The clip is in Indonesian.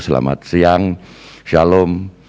selamat siang shalom